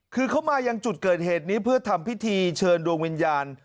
คือเขามายังจุดเกิดเหตุนี้เพื่อทำพิธีเชิญดวงวิญญาณ